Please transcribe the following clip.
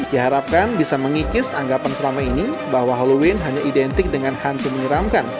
diharapkan bisa mengikis anggapan selama ini bahwa halloween hanya identik dengan hantu menyeramkan